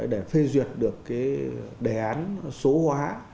để phê duyệt được cái đề án số hóa